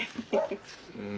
うん。